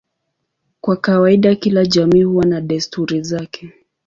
Kwa kawaida kila jamii huwa na desturi zake.